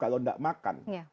kalau tidak makan